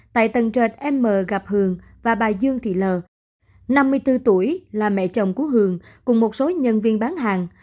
tại tầng trệt m gặp hường và bà dương thị l năm mươi bốn tuổi là mẹ chồng của hường cùng một số nhân viên bán hàng